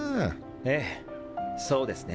ええそうですね。